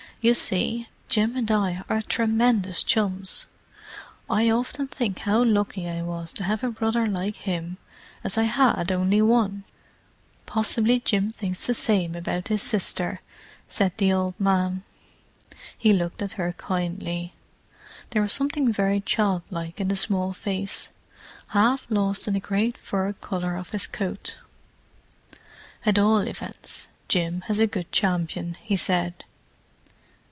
"You see, Jim and I are tremendous chums. I often think how lucky I was to have a brother like him, as I had only one!" "Possibly Jim thinks the same about his sister," said the old man. He looked at her kindly; there was something very child like in the small face, half lost in the great fur collar of his coat. "At all events, Jim has a good champion," he said.